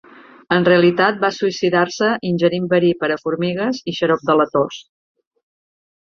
En realitat va suïcidar-se ingerint verí per a formigues i xarop de la tos.